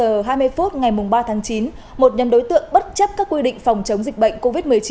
vào hồi giờ hai mươi phút ngày ba tháng chín một nhân đối tượng bất chấp các quy định phòng chống dịch bệnh covid một mươi chín